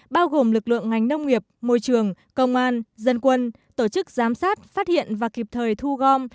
bao gồm lực lượng ngành nông nghiệp môi trường công an dân quân tổ chức giám sát phát hiện và kịp thời thu gom